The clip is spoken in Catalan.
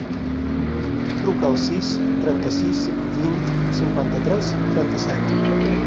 Truca al sis, trenta-sis, vint, cinquanta-tres, trenta-set.